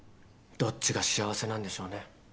どっちが幸せなんでしょうね。